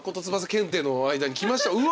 つばさ検定の間に来ました。